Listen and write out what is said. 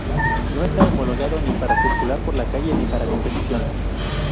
No está homologado ni para circular por la calle ni para competición.